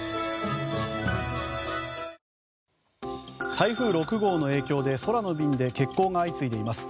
台風６号の影響で空の便で欠航が相次いでいます。